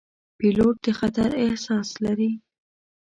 پیلوټ د خطر احساس لري.